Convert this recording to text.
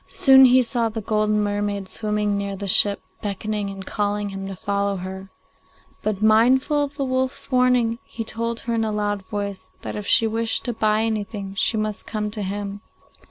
Soon he saw the golden mermaid swimming near the ship, beckoning and calling to him to follow her; but, mindful of the wolf's warning, he told her in a loud voice that if she wished to buy anything she must come to him.